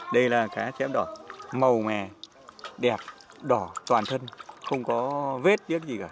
đây là cá chép đỏ màu mè đẹp đỏ toàn thân không có vết tiếc gì cả